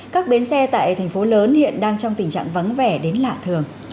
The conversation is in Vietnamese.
các bến xe tại thành phố lớn hiện đang trong tình trạng vắng vẻ đến lạ thường